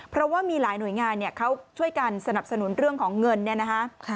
เพราะว่ามีหลายหน่วยงานเขาช่วยกันสนับสนุนเรื่องของเงินเนี่ยนะคะ